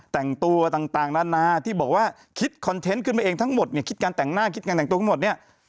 แต่งตัวต่างนานาที่บอกว่าคิดคอนเทนต์ขึ้นมาเองทั้งหมดเนี่ยคิดการแต่งหน้าคิดการแต่งตัวทั้งหมดเนี่ย